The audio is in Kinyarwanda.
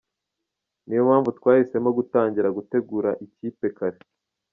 Niyo mpamvu twahisemo gutangira gutegura ikipe kare.